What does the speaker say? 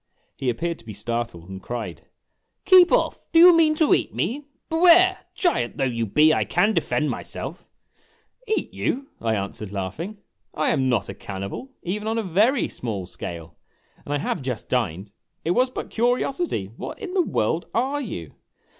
He appeared to be startled, and cried : 5* 70 IMAGINOTIONS " Keep off! Do you mean to eat me? Beware ! Giant though you be, I can defend myself !"" Eat you !" I answered, laughing. " I am not a cannibal, even on a very small scale! And I have just dined. It was but curiosity. What in the world are you